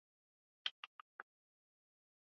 د قيامت په ورځ به الله سبحانه وتعالی د خپل بنده څخه